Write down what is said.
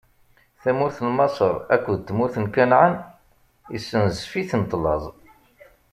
Tamurt n Maṣer akked tmurt n Kanɛan issenzef-itent laẓ.